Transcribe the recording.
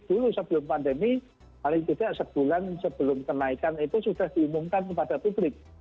dulu sebelum pandemi paling tidak sebulan sebelum kenaikan itu sudah diumumkan kepada publik